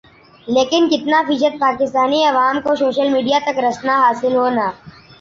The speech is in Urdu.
لیکن کِتنا فیصد پاکستانی عوام کو سوشل میڈیا تک رسنا حاصل ہونا